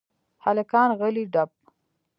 هلکان غلي دپ .